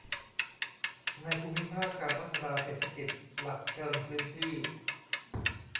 ในภูมิภาคการพัฒนาเศรษฐกิจหลักเชิงพื้นที่